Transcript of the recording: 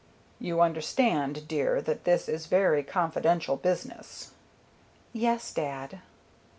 "You understand, dear, that this is very confidential business?" "Yes, dad."